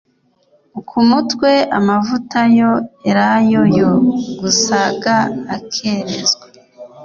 ku mutwe amavuta ya elayo yo gus ga akerezwa